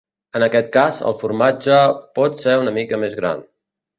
En aquest cas, el formatge pot ser una mica més gran.